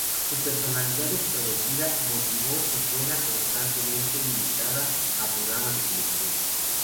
Su personalidad extrovertida motivó que fuera constantemente invitada a programas de televisión.